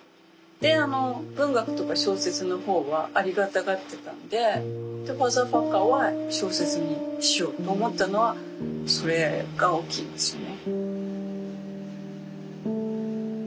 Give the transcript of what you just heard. で文学とか小説の方はありがたがってたんで「ファザーファッカー」は小説にしようと思ったのはそれが大きいですよね。